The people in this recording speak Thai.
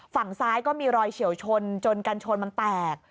ฝั่งซ้ายก็มีรอยเฉียวชนจนกันชนมันแตก